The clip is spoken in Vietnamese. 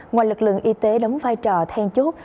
ngoài lực lượng y tế đóng vai trò then chốt